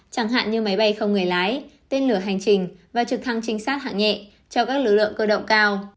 chẳng hạn như máy bay không người lái tên lửa hành trình và trực thăng trinh sát hạng nhẹ cho các lực lượng cơ động cao